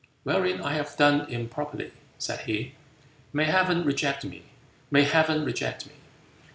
"Wherein I have done improperly," said he, "may Heaven reject me! may Heaven reject me!"